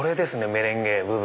メレンゲ部分。